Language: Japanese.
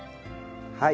はい。